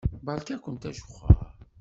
Beṛka-kent ajexxeṛ.